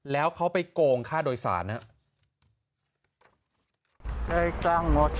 แล้วเขาไปโกงค่าโดยสารนะครับ